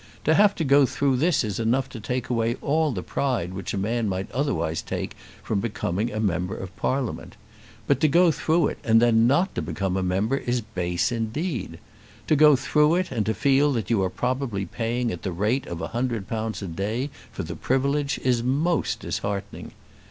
To have to go through this is enough to take away all the pride which a man might otherwise take from becoming a member of Parliament. But to go through it and then not to become a member is base indeed! To go through it and to feel that you are probably paying at the rate of a hundred pounds a day for the privilege is most disheartening.